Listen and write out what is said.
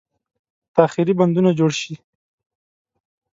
تاخیري بندونه جوړ شي.